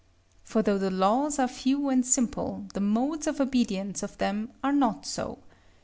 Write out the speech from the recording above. For though the laws are few and simple, the modes of obedience to them are not so.